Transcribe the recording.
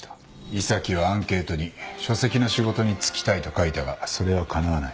伊佐木はアンケートに「書籍の仕事に就きたい」と書いたがそれはかなわない。